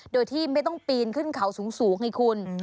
โดยที่ไม่ต้องปีนขึ้นเขาสูงไงคุณ